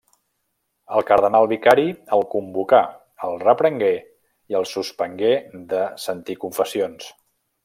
El cardenal vicari el convocà, el reprengué i el suspengué de sentir confessions.